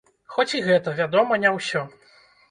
Хоць і гэта, вядома, не ўсё.